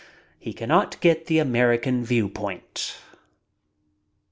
He cannot get the American viewpoint.